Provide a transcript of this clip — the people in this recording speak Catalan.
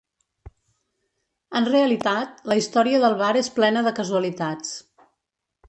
En realitat, la història del bar és plena de casualitats.